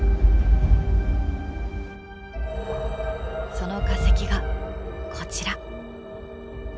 その化石がこちら。